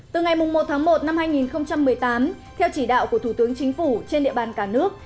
từ ngày một tháng một năm hai nghìn một mươi tám theo chỉ đạo của thủ tướng chính phủ trên địa bàn cả nước